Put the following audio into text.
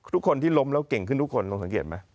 ทุกคนที่ล้มแล้วเก่งขึ้นทุกคน